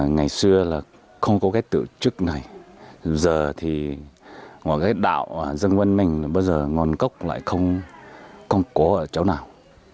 ngày xưa là không có cách tổ chức này giờ thì đạo dương văn mình bây giờ ngọn cốc lại không cố ở chỗ nào